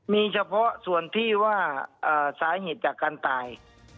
มีเฉพาะส่วนที่ว่าสาเหตุจากการตาย